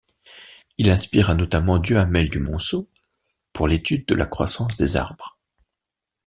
Il inspira notamment Duhamel du Monceau pour l'étude de la croissance des arbres.